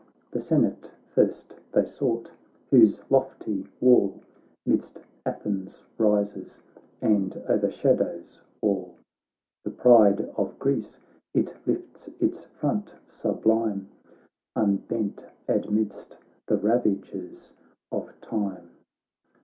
The Senate first they sought, whose lofty wall Midst Athens rises, and o'ershadows all ; The pride of Greece, it lifts its front sublime, Unbent amidst the ravages of time.